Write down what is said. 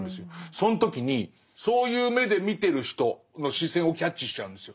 その時にそういう目で見てる人の視線をキャッチしちゃうんですよ。